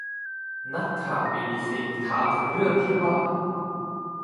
นักข่าวบีบีซีถามถึงเรื่องที่ว่า